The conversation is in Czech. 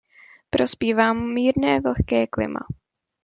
Prospívá mu mírné vlhké klima.